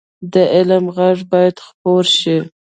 د علم غږ باید خپور شي